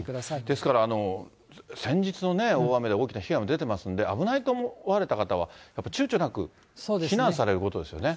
ですから、先日の大雨で大きな被害も出てますから、危ないと思われた方は、やっぱりちゅうちょなく避難されることですよね。